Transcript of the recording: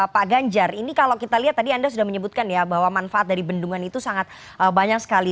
pak ganjar ini kalau kita lihat tadi anda sudah menyebutkan ya bahwa manfaat dari bendungan itu sangat banyak sekali